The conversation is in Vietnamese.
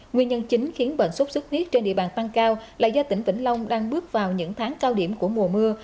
nguyên nhân chính khiến bệnh xuất xuất huyết trên địa bàn tăng cao là do tỉnh vĩnh long đang bước vào những tháng cao điểm của mùa mưa